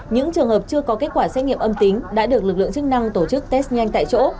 những trường hợp chưa có kết quả xét nghiệm âm tính đã được lực lượng chức năng tổ chức test nhanh tại chỗ